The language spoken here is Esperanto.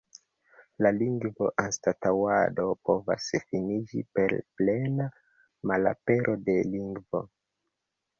La lingvo-anstaŭado povas finiĝi per plena malapero de lingvo.